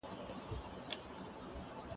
دا اوبه له هغه روښانه دي.